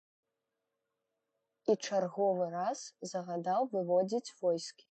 І чарговы раз загадаў выводзіць войскі.